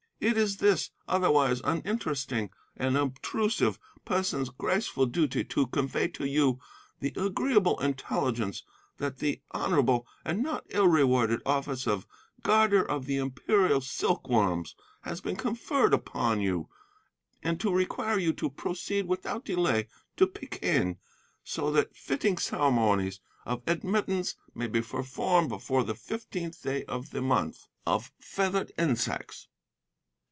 It is this otherwise uninteresting and obtrusive person's graceful duty to convey to you the agreeable intelligence that the honourable and not ill rewarded office of Guarder of the Imperial Silkworms has been conferred upon you, and to require you to proceed without delay to Peking, so that fitting ceremonies of admittance may be performed before the fifteenth day of the month of Feathered Insects.